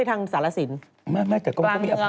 แย่นอาวา